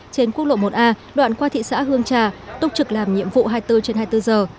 trên quốc lộ một a đoạn qua thị xã hương trà túc trực làm nhiệm vụ hai mươi bốn trên hai mươi bốn giờ